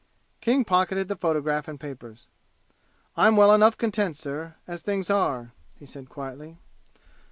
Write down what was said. King pocketed the photograph and papers. "I'm well enough content, sir, as things are," he said quietly.